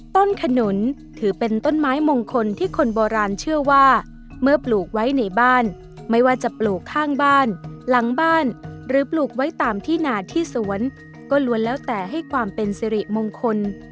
ต้นขนุนถือเป็นต้นไม้มงคลที่คนโบราณเชื่อว่าเมื่อปลูกไว้ในบ้านไม่ว่าจะปลูกข้างบ้านหลังบ้านหรือปลูกไว้ตามที่หนาที่สวนก็ล้วนแล้วแต่ให้ความเป็นสิริมงคล